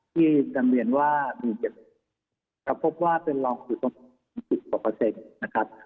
ที่ทางเรียนว่ามีเก็บข้อมูลจะพบว่าเป็นรองอยู่ตรง๓๐กว่าเปอร์เซ็นต์นะครับ